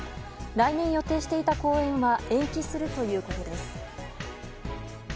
来年予定していた公演は延期するということです。